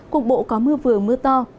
cùng bộ có mưa vừa mưa to